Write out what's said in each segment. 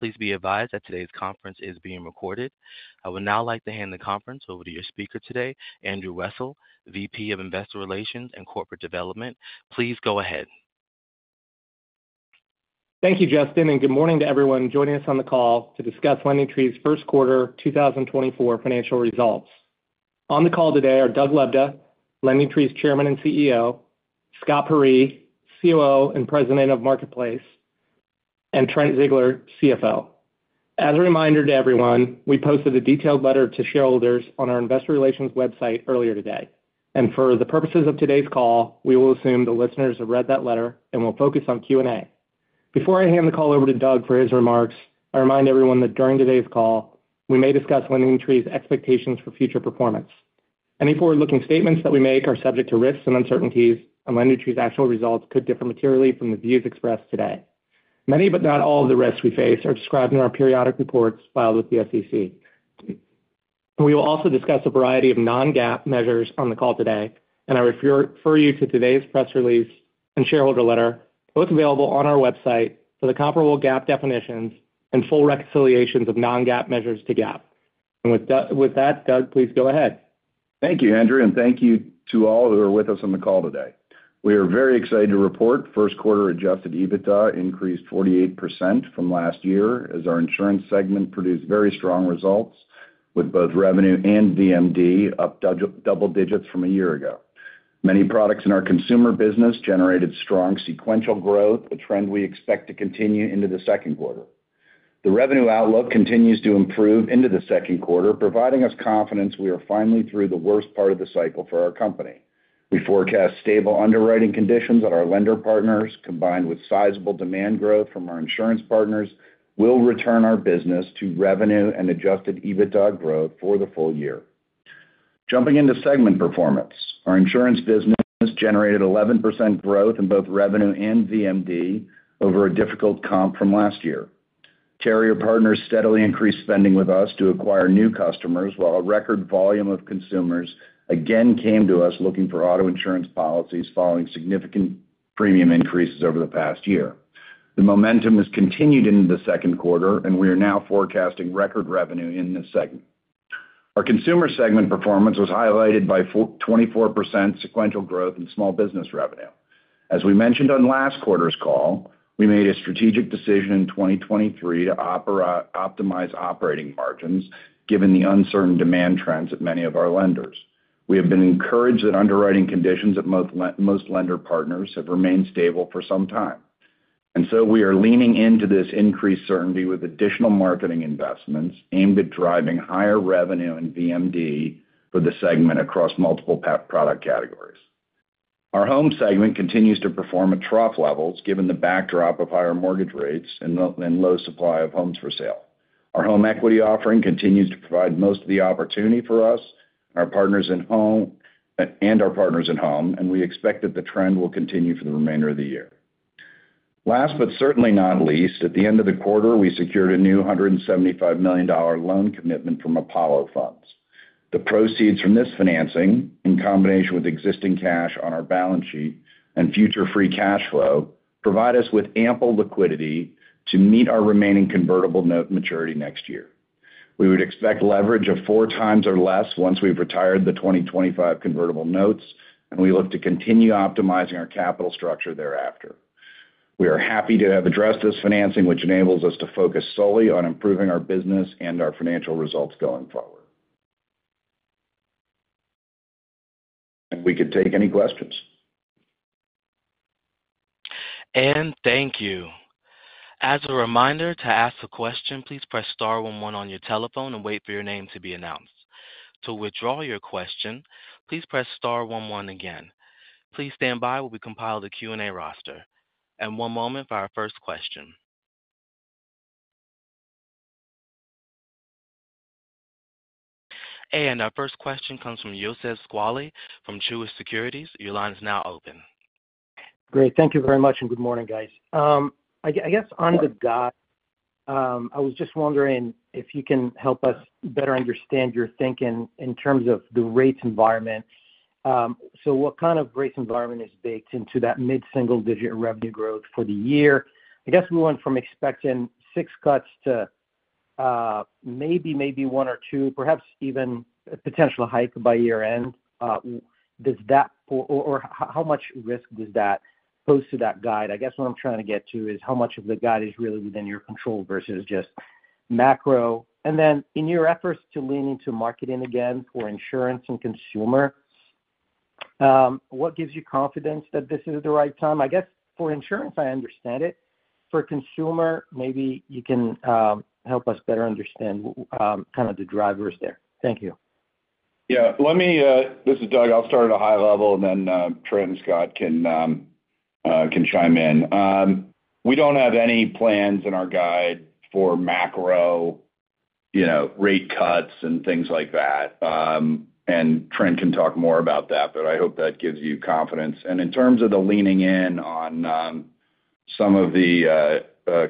Please be advised that today's conference is being recorded. I would now like to hand the conference over to your speaker today, Andrew Wessel, VP of Investor Relations and Corporate Development. Please go ahead. Thank you, Justin, and good morning to everyone joining us on the call to discuss LendingTree's first quarter 2024 financial results. On the call today are Doug Lebda, LendingTree's Chairman and CEO; Scott Peyree, COO and President of Marketplace; and Trent Ziegler, CFO. As a reminder to everyone, we posted a detailed letter to shareholders on our investor relations website earlier today, and for the purposes of today's call, we will assume the listeners have read that letter and will focus on Q&A. Before I hand the call over to Doug for his remarks, I remind everyone that during today's call, we may discuss LendingTree's expectations for future performance. Any forward-looking statements that we make are subject to risks and uncertainties, and LendingTree's actual results could differ materially from the views expressed today. Many, but not all, of the risks we face are described in our periodic reports filed with the SEC. We will also discuss a variety of non-GAAP measures on the call today, and I refer you to today's press release and shareholder letter, both available on our website, for the comparable GAAP definitions and full reconciliations of non-GAAP measures to GAAP. With that, Doug, please go ahead. Thank you, Andrew, and thank you to all who are with us on the call today. We are very excited to report first quarter Adjusted EBITDA increased 48% from last year, as Insurance segment produced very strong results, with both revenue and VMM up double digits from a year ago. Many products in our Consumer business generated strong sequential growth, a trend we expect to continue into the second quarter. The revenue outlook continues to improve into the second quarter, providing us confidence we are finally through the worst part of the cycle for our company. We forecast stable underwriting conditions at our lender partners, combined with sizable demand growth from our insurance partners, will return our business to revenue and adjusted EBITDA growth for the full year. Jumping into segment performance. Our Insurance business generated 11% growth in both revenue and VMM over a difficult comp from last year. Carrier partners steadily increased spending with us to acquire new customers, while a record volume of consumers again came to us looking for auto insurance policies following significant premium increases over the past year. The momentum has continued into the second quarter, and we are now forecasting record revenue in this segment. Our Consumer segment performance was highlighted by 24% sequential growth in small business revenue. As we mentioned on last quarter's call, we made a strategic decision in 2023 to optimize operating margins, given the uncertain demand trends at many of our lenders. We have been encouraged that underwriting conditions at most lender partners have remained stable for some time. And so we are leaning into this increased certainty with additional marketing investments aimed at driving higher revenue and VMM for the segment across multiple product categories. Our Home segment continues to perform at trough levels, given the backdrop of higher mortgage rates and low supply of homes for sale. Our Home Equity offering continues to provide most of the opportunity for us, our partners in Home, and our partners at Home, and we expect that the trend will continue for the remainder of the year. Last, but certainly not least, at the end of the quarter, we secured a new $175 million loan commitment from Apollo. The proceeds from this financing, in combination with existing cash on our balance sheet and future free cash flow, provide us with ample liquidity to meet our remaining convertible note maturity next year. We would expect leverage of 4x or less once we've retired the 2025 Convertible Notes, and we look to continue optimizing our capital structure thereafter. We are happy to have addressed this financing, which enables us to focus solely on improving our business and our financial results going forward. We can take any questions. And thank you. As a reminder, to ask a question, please press star one one on your telephone and wait for your name to be announced. To withdraw your question, please press star one one again. Please stand by while we compile the Q&A roster. And one moment for our first question. And our first question comes from Youssef Squali from Truist Securities. Your line is now open. Great. Thank you very much, and good morning, guys. I guess, on the dot, I was just wondering if you can help us better understand your thinking in terms of the rates environment. So what kind of rates environment is baked into that mid-single-digit revenue growth for the year? I guess we went from expecting six cuts to maybe, maybe one or two, perhaps even a potential hike by year-end. Does that, or how much risk does that pose to that guide? I guess what I'm trying to get to is how much of the guide is really within your control versus just macro. And then, in your efforts to lean into marketing again for Insurance and Consumer, what gives you confidence that this is the right time? I guess for Insurance, I understand it. For Consumer, maybe you can help us better understand, kind of the drivers there. Thank you. Yeah. Let me... This is Doug. I'll start at a high level, and then, Trent and Scott can chime in. We don't have any plans in our guide for macro, you know, rate cuts and things like that. And Trent can talk more about that, but I hope that gives you confidence. And in terms of the leaning in on, some of the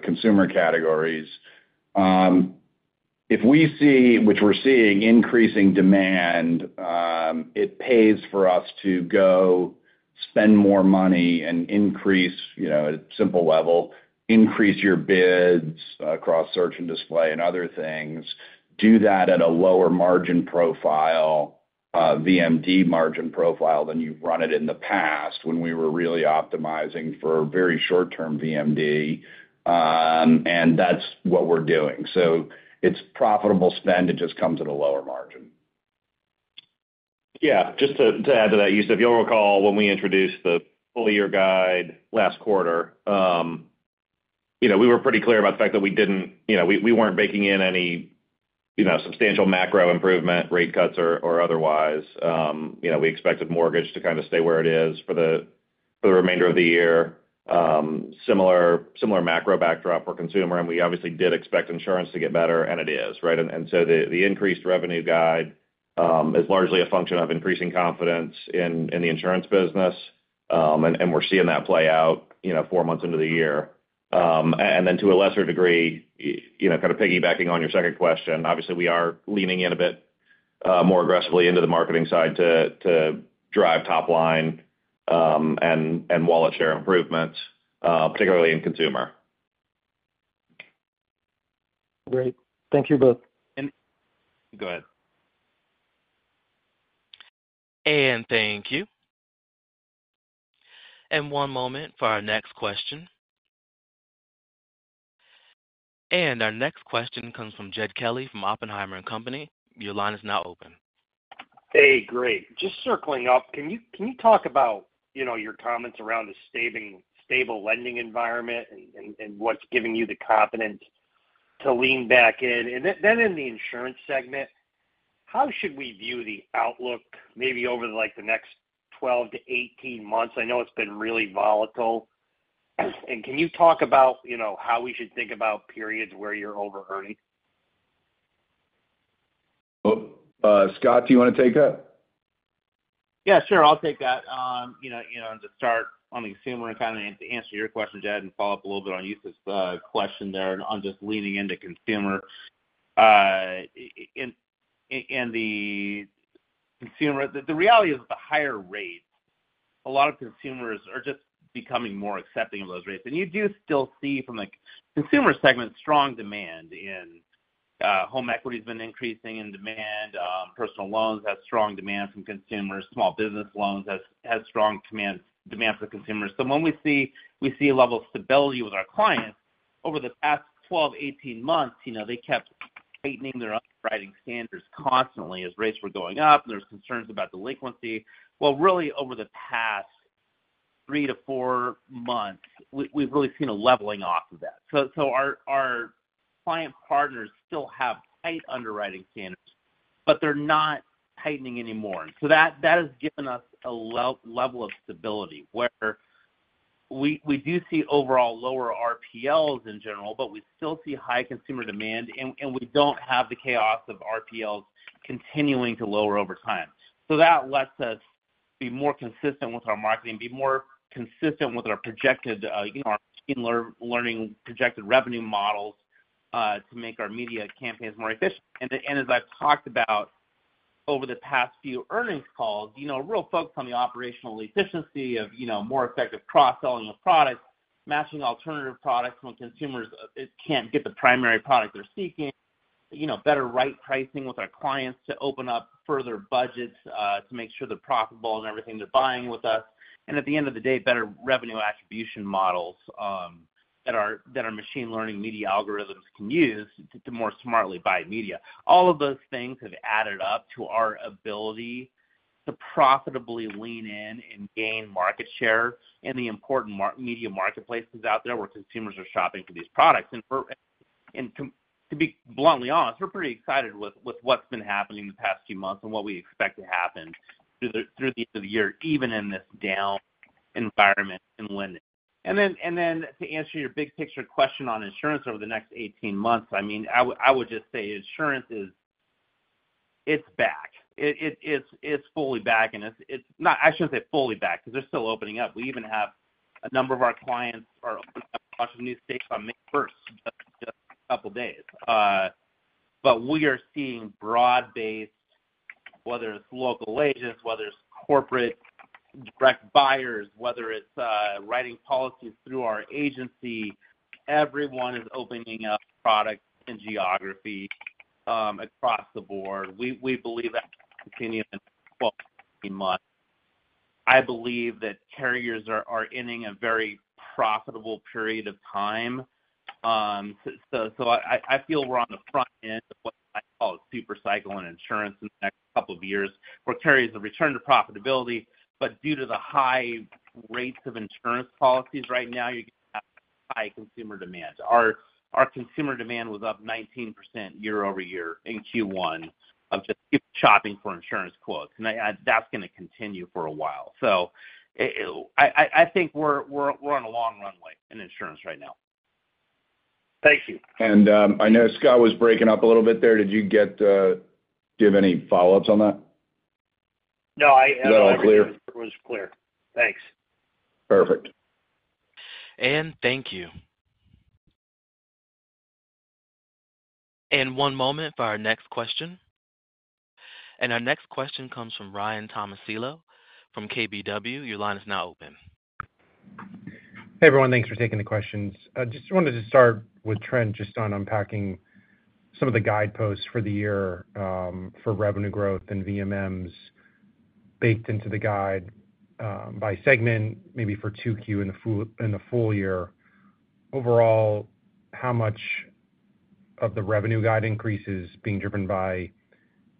Consumer categories, if we see, which we're seeing, increasing demand, it pays for us to go spend more money and increase, you know, at a simple level, increase your bids across search and display and other things. Do that at a lower margin profile, VMM margin profile than you've run it in the past, when we were really optimizing for very short-term VMM, and that's what we're doing. It's profitable spend, it just comes at a lower margin. Yeah, just to add to that, Youssef, you'll recall when we introduced the full year guide last quarter, you know, we were pretty clear about the fact that we didn't, you know, we weren't baking in any, you know, substantial macro improvement, rate cuts or otherwise. You know, we expected mortgage to kind of stay where it is for the remainder of the year. Similar macro backdrop for Consumer, and we obviously did expect Insurance to get better, and it is, right? And so the increased revenue guide is largely a function of increasing confidence in the Insurance business, and we're seeing that play out, you know, four months into the year. And then to a lesser degree, you know, kind of piggybacking on your second question, obviously, we are leaning in a bit more aggressively into the marketing side to drive top line, and wallet share improvements, particularly in Consumer. Great. Thank you both. And. Go ahead. Thank you. One moment for our next question. Our next question comes from Jed Kelly from Oppenheimer and Company. Your line is now open. Hey, great. Just circling up, can you talk about, you know, your comments around the staying stable lending environment and what's giving you the confidence to lean back in? And then in Insurance segment, how should we view the outlook, maybe over, like, the next 12 to 18 months? I know it's been really volatile. And can you talk about, you know, how we should think about periods where you're overearning? Oh, Scott, do you want to take that? Yeah, sure. I'll take that. You know, to start on the Consumer and kind of to answer your question, Jed, and follow up a little bit on Youssef's question there on just leaning into Consumer. In the Consumer—the reality is, the higher rates, a lot of consumers are just becoming more accepting of those rates. And you do still see from, like, Consumer segment, strong demand in Home Equity has been increasing in demand, personal loans have strong demand from consumers, small business loans has strong demand, demand for consumers. So when we see—we see a level of stability with our clients, over the past 12, 18 months, you know, they kept tightening their underwriting standards constantly as rates were going up, and there was concerns about delinquency. Well, really, over the past three to four months, we've really seen a leveling off of that. So, our client partners still have tight underwriting standards, but they're not tightening anymore. So that has given us a level of stability, where we do see overall lower RPLs in general, but we still see high consumer demand, and we don't have the chaos of RPLs continuing to lower over time. So that lets us be more consistent with our marketing, be more consistent with our projected, you know, our machine learning projected revenue models, to make our media campaigns more efficient. And as I've talked about over the past few earnings calls, you know, real focus on the operational efficiency of, you know, more effective cross-selling of products, matching alternative products when consumers can't get the primary product they're seeking. You know, better right pricing with our clients to open up further budgets to make sure they're profitable and everything they're buying with us. And at the end of the day, better revenue attribution models that our machine learning media algorithms can use to more smartly buy media. All of those things have added up to our ability to profitably lean in and gain market share in the important media marketplaces out there, where consumers are shopping for these products. To be bluntly honest, we're pretty excited with what's been happening the past few months and what we expect to happen through the end of the year, even in this down environment in lending. And then to answer your big picture question on Insurance over the next 18 months, I mean, I would just say Insurance is... It's back. It's fully back, and it's not. I shouldn't say fully back, because they're still opening up. We even have a number of our clients are opening up across new states on May first, just a couple of days. But we are seeing broad-based, whether it's local agents, whether it's corporate direct buyers, whether it's writing policies through our agency, everyone is opening up products and geography across the board. We believe that continue in 12 months. I believe that carriers are entering a very profitable period of time. So I feel we're on the front end of what I call super cycle in Insurance in the next couple of years, where carriers have returned to profitability, but due to the high rates of insurance policies right now, you have high consumer demand. Our consumer demand was up 19% year-over-year in Q1 just shopping for insurance quotes, and that's going to continue for a while. So I think we're on a long runway in Insurance right now. Thank you. And, I know Scott was breaking up a little bit there. Did you get? Do you have any follow-ups on that? ... No, I- No, clear? It was clear. Thanks. Perfect. Thank you. One moment for our next question. Our next question comes from Ryan Tomasello from KBW. Your line is now open. Hey, everyone. Thanks for taking the questions. I just wanted to start with Trent, just on unpacking some of the guideposts for the year, for revenue growth and VMMs baked into the guide, by segment, maybe for 2Q in the full, in the full year. Overall, how much of the revenue guide increase is being driven by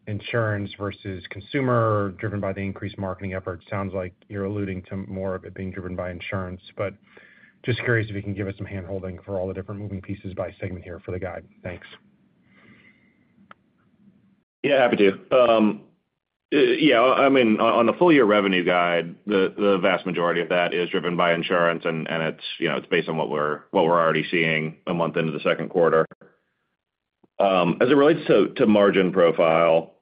Insurance versus Consumer, driven by the increased marketing efforts? Sounds like you're alluding to more of it being driven by Insurance, but just curious if you can give us some handholding for all the different moving pieces by segment here for the guide. Thanks. Yeah, happy to. Yeah, I mean, on the full year revenue guide, the vast majority of that is driven by Insurance, and it's based on what we're already seeing a month into the second quarter. As it relates to margin profile,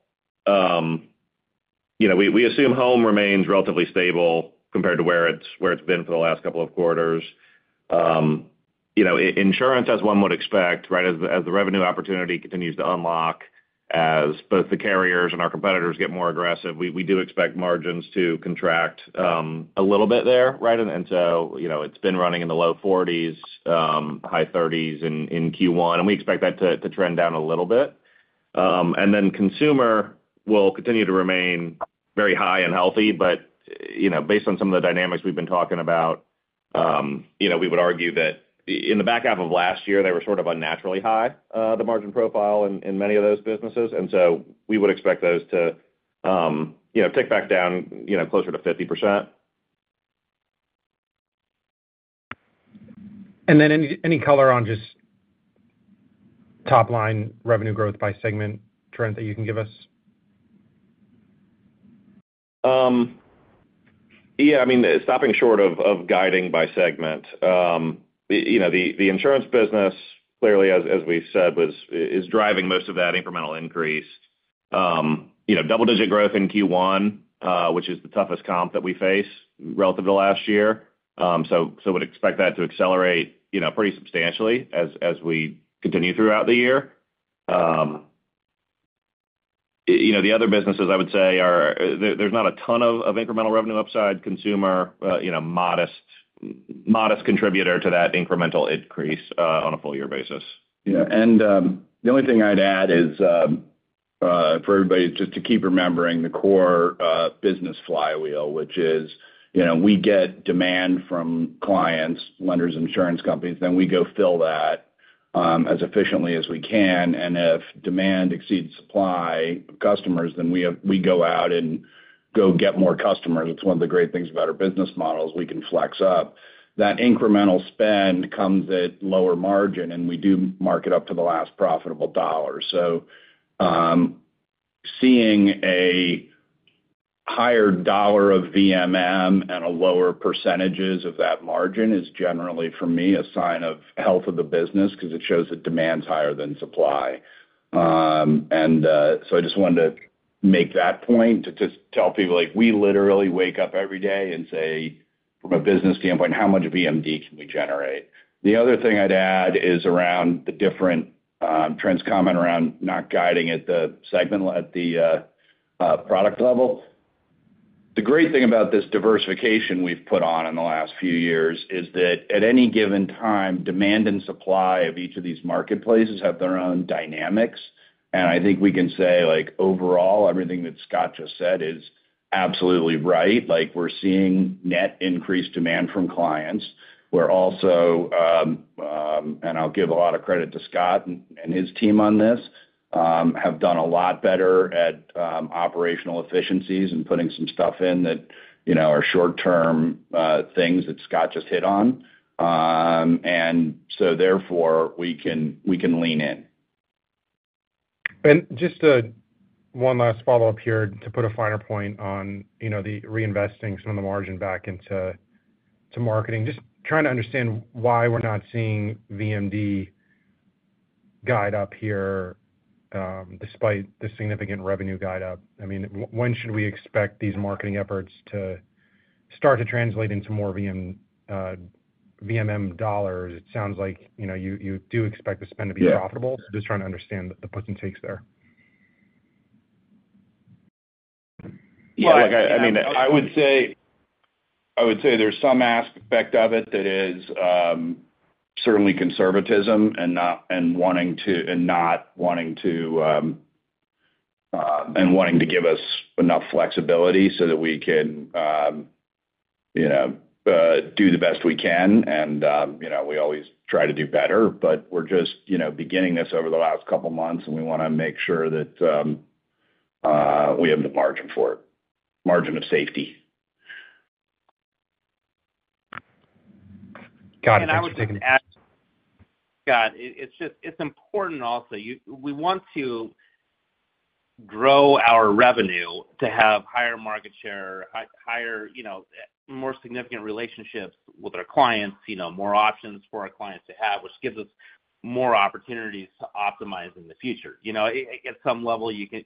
you know, we assume Home remains relatively stable compared to where it's been for the last couple of quarters. You know, Insurance, as one would expect, right, as the revenue opportunity continues to unlock, as both the carriers and our competitors get more aggressive, we do expect margins to contract a little bit there, right? And so, you know, it's been running in the low 40s, high 30s in Q1, and we expect that to trend down a little bit. And then Consumer will continue to remain very high and healthy, but, you know, based on some of the dynamics we've been talking about, you know, we would argue that in the back half of last year, they were sort of unnaturally high, the margin profile in many of those businesses. And so we would expect those to, you know, tick back down, you know, closer to 50%. And then any color on just top line revenue growth by segment, Trent, that you can give us? Yeah, I mean, stopping short of guiding by segment. You know, the Insurance business, clearly, as we said, is driving most of that incremental increase. You know, double-digit growth in Q1, which is the toughest comp that we face relative to last year. So would expect that to accelerate, you know, pretty substantially as we continue throughout the year. You know, the other businesses, I would say are. There's not a ton of incremental revenue upside, Consumer, you know, modest contributor to that incremental increase, on a full year basis. Yeah, and, the only thing I'd add is, for everybody just to keep remembering the core, business flywheel, which is, you know, we get demand from clients, lenders, insurance companies, then we go fill that, as efficiently as we can. And if demand exceeds supply of customers, then we go out and go get more customers. It's one of the great things about our business model, is we can flex up. That incremental spend comes at lower margin, and we do mark it up to the last profitable dollar. So, seeing a higher dollar of VMM and a lower percentages of that margin is generally, for me, a sign of health of the business because it shows that demand's higher than supply. I just wanted to make that point, to just tell people, like, we literally wake up every day and say, from a business standpoint, how much VMM can we generate? The other thing I'd add is around the different, Trent's comment around not guiding at the segment, at the product level. The great thing about this diversification we've put on in the last few years is that at any given time, demand and supply of each of these marketplaces have their own dynamics. I think we can say, like, overall, everything that Scott just said is absolutely right. Like, we're seeing net increased demand from clients. We're also, and I'll give a lot of credit to Scott and his team on this, have done a lot better at operational efficiencies and putting some stuff in that, you know, are short-term things that Scott just hit on. And so therefore, we can lean in. And just, one last follow-up here to put a finer point on, you know, the reinvesting some of the margin back into, to marketing. Just trying to understand why we're not seeing VMM guide up here, despite the significant revenue guide up. I mean, when should we expect these marketing efforts to start to translate into more VMM dollars? It sounds like, you know, you, you do expect the spend to be profitable. Yeah. Just trying to understand the puts and takes there. Well, look, I mean, I would say, I would say there's some aspect of it that is certainly conservatism and not and wanting to and not wanting to and wanting to give us enough flexibility so that we can, you know, do the best we can. And, you know, we always try to do better, but we're just, you know, beginning this over the last couple of months, and we wanna make sure that we have the margin for it, margin of safety. Scott, it's just, it's important also, you, we want to grow our revenue to have higher market share, higher, you know, more significant relationships with our clients, you know, more options for our clients to have, which gives us more opportunities to optimize in the future. You know, at some level, you can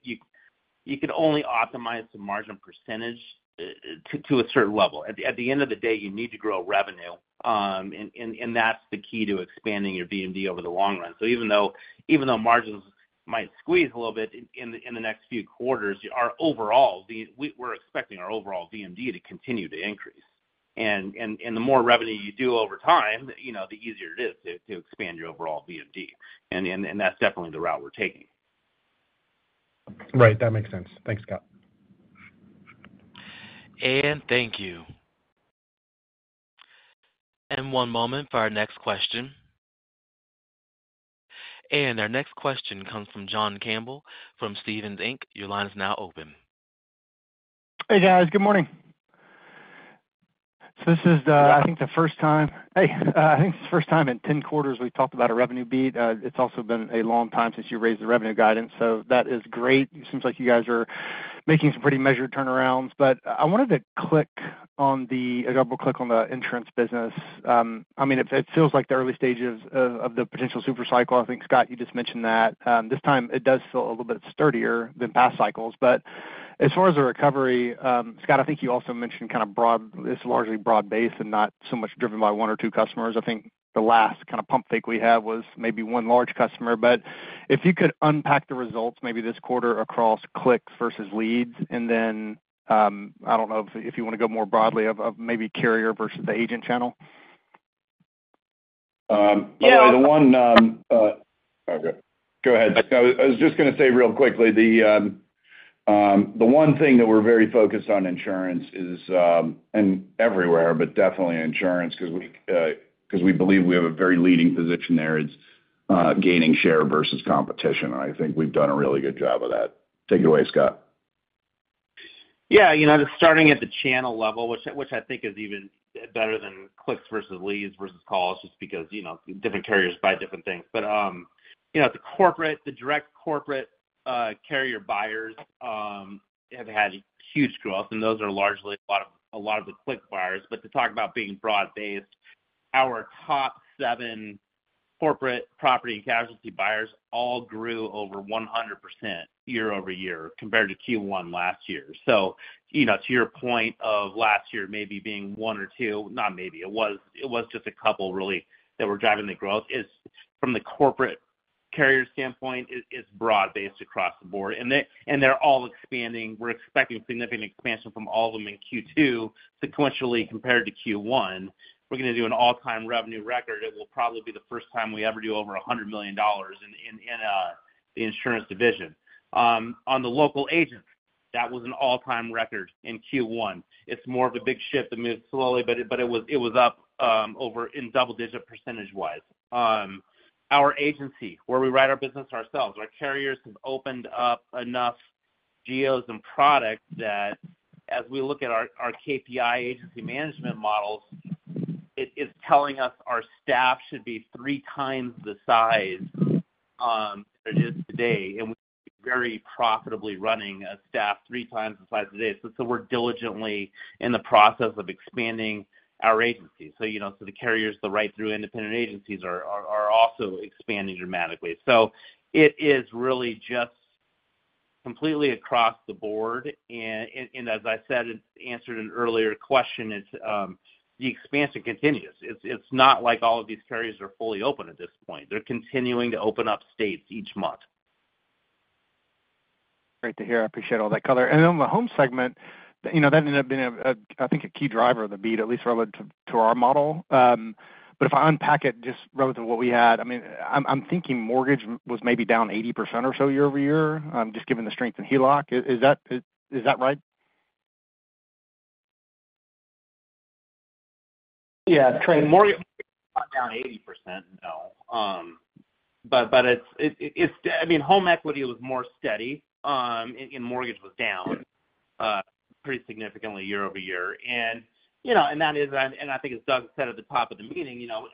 only optimize the margin percentage to a certain level. At the end of the day, you need to grow revenue, and that's the key to expanding your DMD over the long run. So even though margins might squeeze a little bit in the next few quarters, we're expecting our overall DMD to continue to increase. And the more revenue you do over time, you know, the easier it is to expand your overall DMD, and that's definitely the route we're taking. Right. That makes sense. Thanks, Scott. Thank you. One moment for our next question. Our next question comes from John Campbell, from Stephens Inc. Your line is now open. Hey, guys. Good morning. So this is, I think, the first time in 10 quarters we've talked about a revenue beat. It's also been a long time since you raised the revenue guidance, so that is great. It seems like you guys are making some pretty measured turnarounds. But I wanted to double-click on the Insurance business. I mean, it feels like the early stages of the potential super cycle. I think, Scott, you just mentioned that. This time it does feel a little bit sturdier than past cycles, but as far as the recovery, Scott, I think you also mentioned it's largely broad-based and not so much driven by one or two customers. I think the last kind of pump fake we had was maybe one large customer. But if you could unpack the results, maybe this quarter across clicks versus leads, and then, I don't know if, if you wanna go more broadly of, of maybe carrier versus the agent channel. Yeah, the one— Okay, go ahead. I was just gonna say real quickly, the one thing that we're very focused on Insurance is, and everywhere, but definitely Insurance, 'cause we 'cause we believe we have a very leading position there. It's gaining share versus competition, and I think we've done a really good job of that. Take it away, Scott. Yeah, you know, just starting at the channel level, which I think is even better than clicks versus leads versus calls, just because, you know, different carriers buy different things. But, you know, at the corporate, the direct corporate, carrier buyers, have had huge growth, and those are largely a lot of, a lot of the click buyers. But to talk about being broad-based, our top seven corporate property and casualty buyers all grew over 100% year-over-year compared to Q1 last year. So, you know, to your point of last year, maybe being one or two, not maybe, it was, it was just a couple really, that were driving the growth. It's from the corporate carrier standpoint, it's, it's broad-based across the board, and they're all expanding. We're expecting significant expansion from all of them in Q2 sequentially, compared to Q1. We're gonna do an all-time revenue record. It will probably be the first time we ever do over $100 million in the Insurance division. On the local agent, that was an all-time record in Q1. It's more of a big ship that moves slowly, but it was up over double-digit percentage-wise. Our agency, where we write our business ourselves, our carriers have opened up enough geos and products that as we look at our KPI agency management models, it is telling us our staff should be three times the size it is today, and we're very profitably running a staff three times the size of it is. So we're diligently in the process of expanding our agency. So, you know, so the carriers that write through independent agencies are also expanding dramatically. So it is really just completely across the board. And as I said and answered an earlier question, it's the expansion continues. It's not like all of these carriers are fully open at this point. They're continuing to open up states each month. Great to hear. I appreciate all that color. And then on the Home segment, you know, that ended up being a, I think, a key driver of the beat, at least relative to our model. But if I unpack it, just relative to what we had, I mean, I'm thinking mortgage was maybe down 80% or so year-over-year, just given the strength in HELOC. Is that right? Yeah, Trent, mortgage down 80%, no. But it's, I mean, Home Equity was more steady, and mortgage was down pretty significantly year-over-year. And you know, that is, I think as Doug said at the top of the meeting, you know,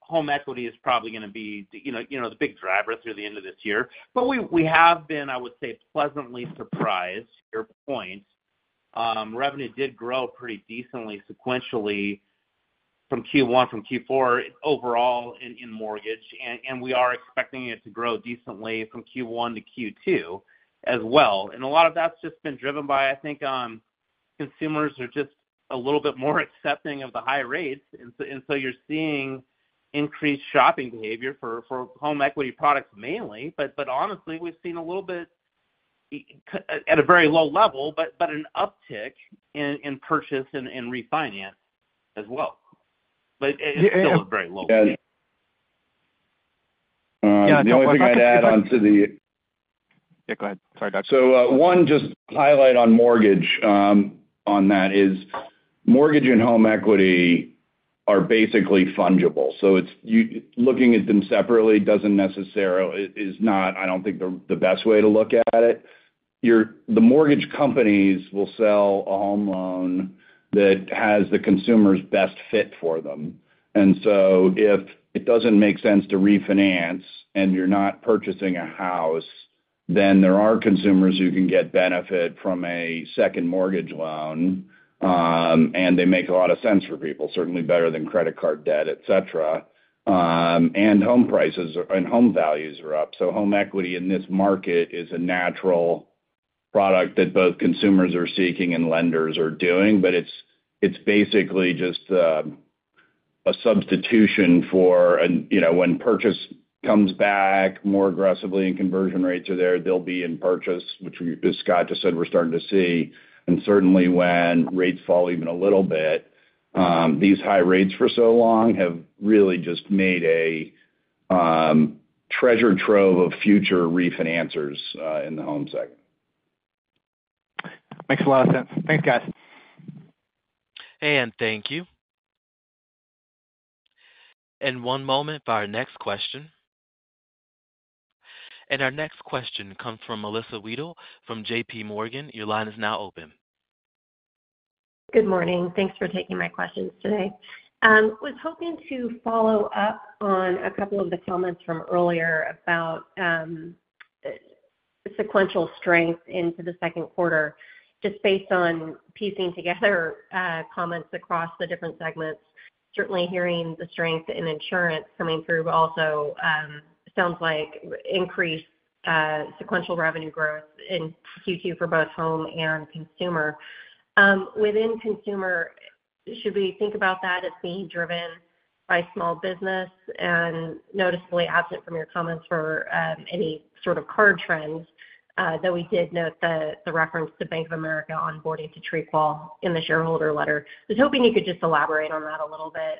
Home Equity is probably gonna be you know the big driver through the end of this year. But we have been, I would say, pleasantly surprised, your point. Revenue did grow pretty decently sequentially from Q1, from Q4 overall in mortgage, and we are expecting it to grow decently from Q1 to Q2 as well. And a lot of that's just been driven by, I think, consumers are just a little bit more accepting of the higher rates. And so you're seeing increased shopping behavior for Home Equity products mainly. But honestly, we've seen a little bit at a very low level, but an uptick in purchase and refinance as well. But it's still a very low level. The only thing I'd add on to the- Yeah, go ahead. Sorry, Doug. So, one, just highlight on mortgage, on that is mortgage and Home Equity are basically fungible, so it's you looking at them separately doesn't necessarily... It is not, I don't think, the best way to look at it. Your The mortgage companies will sell a home loan that has the consumer's best fit for them. And so if it doesn't make sense to refinance and you're not purchasing a house, then there are consumers who can get benefit from a second mortgage loan, and they make a lot of sense for people, certainly better than credit card debt, et cetera. And home prices, and home values are up, so Home Equity in this market is a natural-... product that both consumers are seeking and lenders are doing, but it's, it's basically just a substitution for, and, you know, when purchase comes back more aggressively and conversion rates are there, they'll be in purchase, which we—as Scott just said, we're starting to see. And certainly, when rates fall even a little bit, these high rates for so long have really just made a treasure trove of future refinancers in the Home segment. Makes a lot of sense. Thanks, guys. Thank you. One moment for our next question. Our next question comes from Melissa Wedel from JPMorgan. Your line is now open. Good morning. Thanks for taking my questions today. Was hoping to follow up on a couple of the comments from earlier about the sequential strength into the second quarter, just based on piecing together comments across the different segments. Certainly hearing the strength in Insurance coming through, but also sounds like increased sequential revenue growth in Q2 for both Home and Consumer. Within Consumer, should we think about that as being driven by small business and noticeably absent from your comments for any sort of card trends, though we did note the reference to Bank of America onboarding to TreeQual in the shareholder letter. I was hoping you could just elaborate on that a little bit,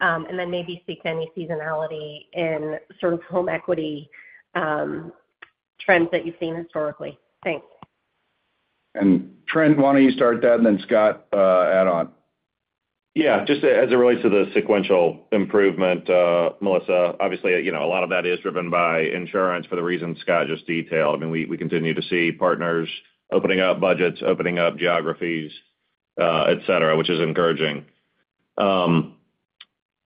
and then maybe speak to any seasonality in sort of Home Equity trends that you've seen historically. Thanks. Trent, why don't you start that, and then Scott, add on? Yeah, just as it relates to the sequential improvement, Melissa, obviously, you know, a lot of that is driven by Insurance for the reasons Scott just detailed. I mean, we continue to see partners opening up budgets, opening up geographies, et cetera, which is encouraging. You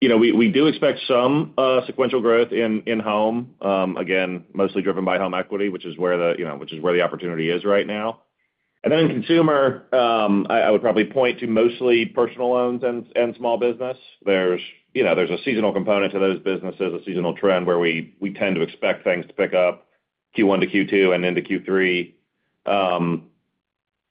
know, we do expect some sequential growth in Home, again, mostly driven by Home Equity, which is where the opportunity is right now. And then in Consumer, I would probably point to mostly personal loans and small business. There's a seasonal component to those businesses, a seasonal trend where we tend to expect things to pick up Q1 to Q2 and into Q3.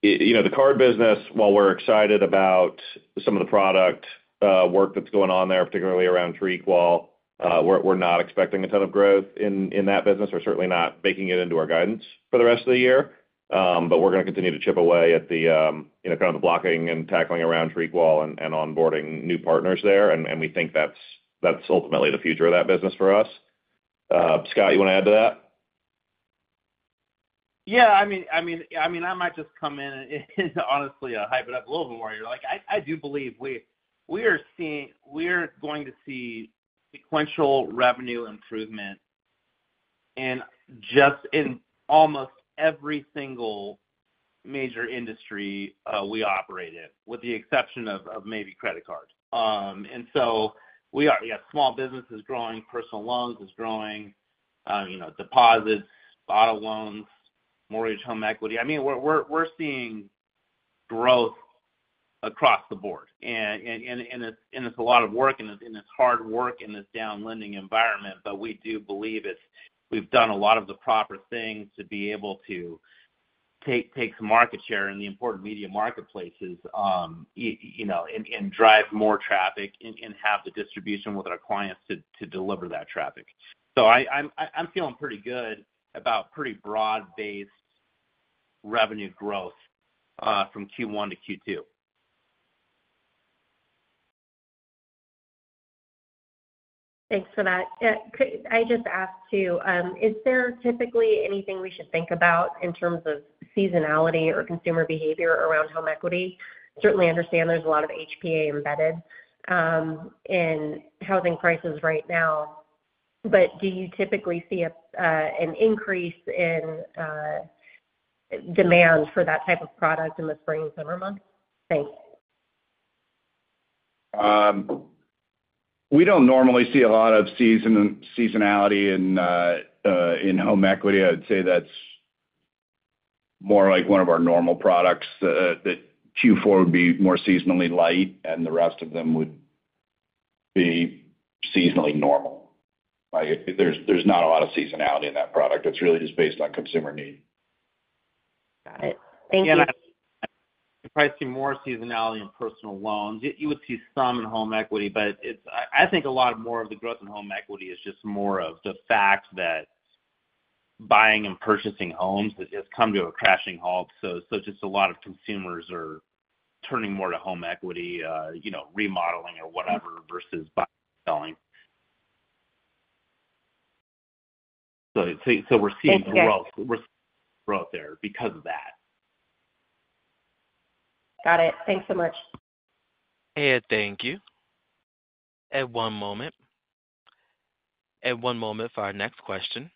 You know, the card business, while we're excited about some of the product work that's going on there, particularly around TreeQual, we're not expecting a ton of growth in that business. We're certainly not baking it into our guidance for the rest of the year. But we're going to continue to chip away at the you know, kind of the blocking and tackling around TreeQual and onboarding new partners there. And we think that's ultimately the future of that business for us. Scott, you want to add to that? Yeah, I mean, I might just come in and honestly, hype it up a little bit more. Like, I do believe we are seeing-- we're going to see sequential revenue improvement in just in almost every single major industry we operate in, with the exception of maybe credit cards. And so we are... Yeah, small business is growing, personal loans is growing, you know, deposits, auto loans, mortgage, Home Equity. I mean, we're seeing growth across the board. And it's a lot of work, and it's hard work in this down lending environment, but we do believe it's, we've done a lot of the proper things to be able to take some market share in the important media marketplaces, you know, and drive more traffic and have the distribution with our clients to deliver that traffic. So I'm feeling pretty good about pretty broad-based revenue growth from Q1 to Q2. Thanks for that. I just asked, too, is there typically anything we should think about in terms of seasonality or consumer behavior around Home Equity? Certainly understand there's a lot of HPA embedded in housing prices right now, but do you typically see an increase in demand for that type of product in the spring and summer months? Thanks. We don't normally see a lot of seasonality in Home Equity. I'd say that's more like one of our normal products, that Q4 would be more seasonally light, and the rest of them would be seasonally normal. Like, there's not a lot of seasonality in that product. It's really just based on consumer need. Got it. Thank you. You probably see more seasonality in personal loans. You would see some in Home Equity, but it's, I think a lot more of the growth in Home Equity is just more of the fact that buying and purchasing homes has just come to a crashing halt. So just a lot of consumers are turning more to Home Equity, you know, remodeling or whatever, versus buying and selling. So it's, so we're seeing- Thanks, guys. We're out there because of that. Got it. Thanks so much. And thank you. One moment for our next question.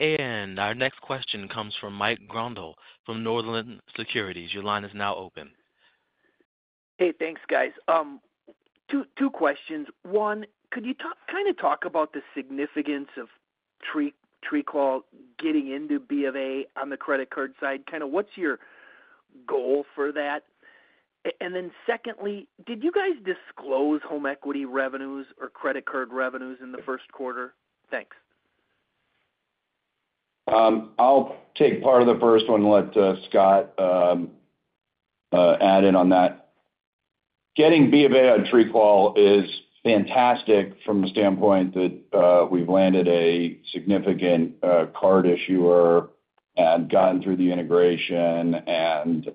Our next question comes from Mike Grondahl from Northland Securities. Your line is now open. Hey, thanks, guys. Two questions. One, could you talk about the significance of TreeQual getting into B of A on the credit card side? Kind of, what's your goal for that?... then secondly, did you guys disclose Home Equity revenues or credit card revenues in the first quarter? Thanks. I'll take part of the first one and let Scott add in on that. BofA on TreeQual is fantastic from the standpoint that we've landed a significant card issuer and gotten through the integration, and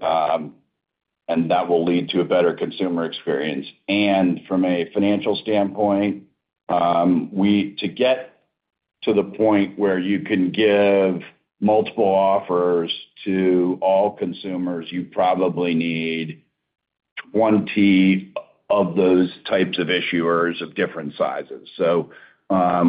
that will lead to a better consumer experience. And from a financial standpoint, we to get to the point where you can give multiple offers to all consumers, you probably need one T of those types of issuers of different sizes. So,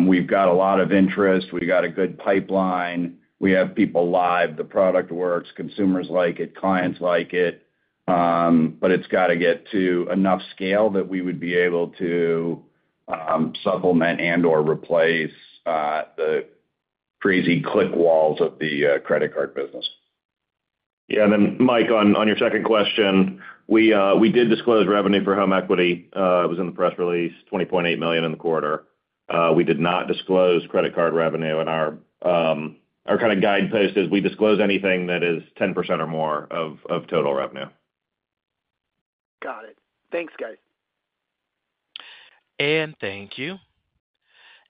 we've got a lot of interest. We've got a good pipeline. We have people live, the product works, consumers like it, clients like it, but it's got to get to enough scale that we would be able to supplement and/or replace the crazy click walls of the credit card business. Yeah, and then, Mike, on your second question, we did disclose revenue for Home Equity. It was in the press release, $20.8 million in the quarter. We did not disclose credit card revenue, and our kind of guidepost is we disclose anything that is 10% or more of total revenue. Got it. Thanks, guys. Thank you.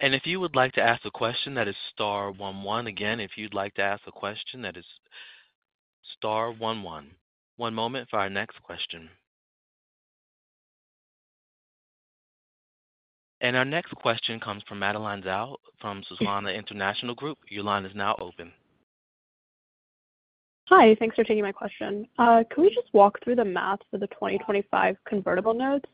If you would like to ask a question, that is star one one. Again, if you'd like to ask a question, that is star one one. One moment for our next question. Our next question comes from Madeline Zhao from Susquehanna International Group. Your line is now open. Hi, thanks for taking my question. Can we just walk through the math for the 2025 convertible notes?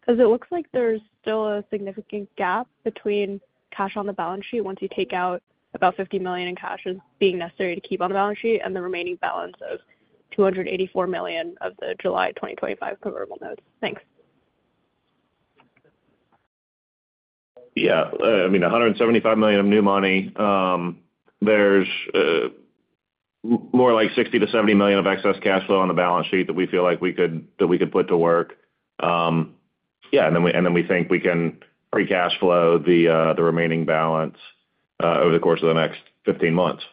'Cause it looks like there's still a significant gap between cash on the balance sheet once you take out about $50 million in cash as being necessary to keep on the balance sheet and the remaining balance of $284 million of the July 2025 convertible notes. Thanks. I mean, $175 million of new money. There's more like $60 million-$70 million of excess cash flow on the balance sheet that we feel like we could put to work. And then we think we can free cash flow the remaining balance over the course of the next 15 months.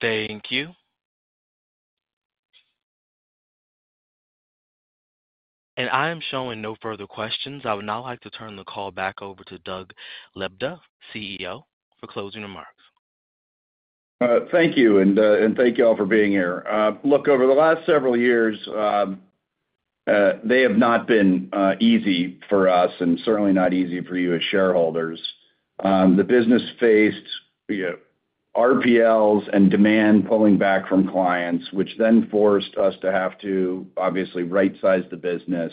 Thank you. I am showing no further questions. I would now like to turn the call back over to Doug Lebda, CEO, for closing remarks. Thank you, and thank you all for being here. Look, over the last several years, they have not been easy for us and certainly not easy for you as shareholders. The business faced, you know, RPLs and demand pulling back from clients, which then forced us to have to obviously rightsize the business,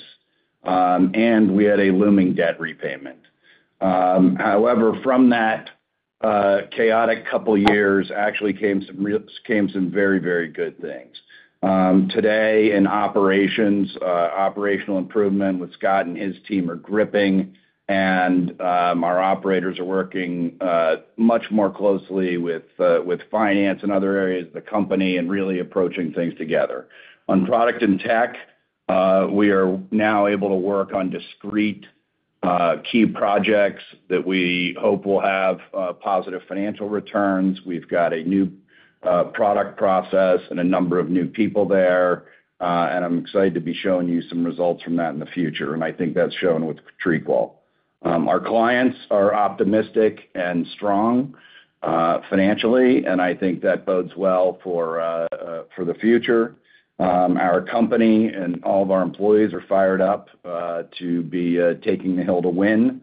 and we had a looming debt repayment. However, from that, chaotic couple years actually came some very, very good things. Today in operations, operational improvement with Scott and his team are gripping, and our operators are working much more closely with finance and other areas of the company and really approaching things together. On product and tech, we are now able to work on discrete, key projects that we hope will have positive financial returns. We've got a new product process and a number of new people there, and I'm excited to be showing you some results from that in the future, and I think that's shown with TreeQual. Our clients are optimistic and strong, financially, and I think that bodes well for the future. Our company and all of our employees are fired up to be taking the hill to win.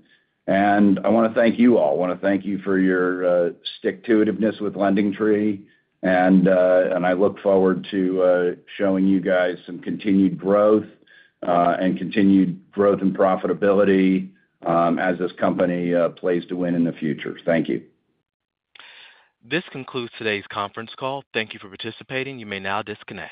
I want to thank you all. I want to thank you for your stick-to-it-iveness with LendingTree, and and I look forward to showing you guys some continued growth, and continued growth and profitability, as this company plays to win in the future. Thank you. This concludes today's conference call. Thank you for participating. You may now disconnect.